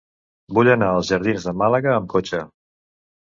Vull anar als jardins de Màlaga amb cotxe.